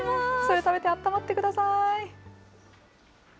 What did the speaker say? それ食べて、あったまってください。